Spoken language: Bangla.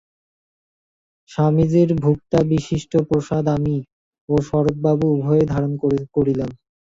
স্বামীজীর ভুক্তাবশিষ্ট প্রসাদ আমি ও শরৎবাবু উভয়েই ধারণ করিলাম।